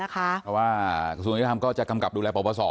ก็ว่ากระทรวงยุติธรรมจะกำกับดูแลปศ